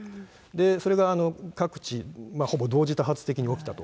それが各地ほぼ同時多発的に起きたと。